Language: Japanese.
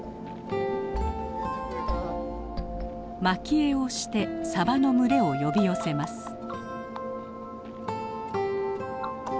まき餌をしてさばの群れを呼び寄せます。